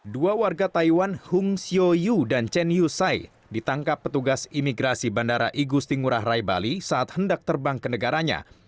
dua warga taiwan hung shu yu dan chen yu sai ditangkap petugas imigrasi bandara igusti ngurah rai bali saat hendak terbang ke negaranya